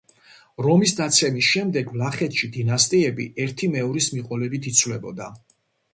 რომის დაცემის შემდეგ ვლახეთში დინასტიები ერთი მეორის მიყოლებით იცვლებოდა.